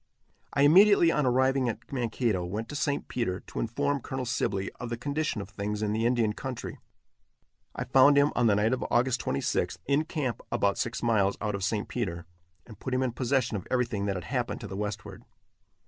I immediately, on arriving at Mankato, went to St. Peter, to inform Colonel Sibley of the condition of things in the Indian country. I found him, on the night of August 26th, in camp about six miles out of St. Peter, and put him in possession of everything that had happened to the westward.